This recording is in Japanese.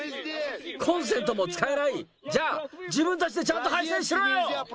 コンセントも使えない、じゃあ、自分たちでちゃんと配線しろよ！